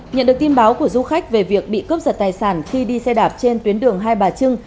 nhận được tin báo của du khách về việc bị cướp giật tài sản khi đi xe đạp trên tuyến đường hai bà trưng